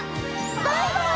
バイバイ！